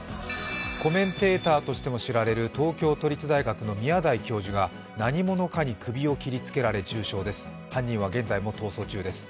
コメンテーターとしても知られる東京都立大学の宮台教授が何者かに首を切りつけられ、重傷です。